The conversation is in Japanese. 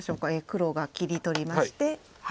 黒が切り取りまして。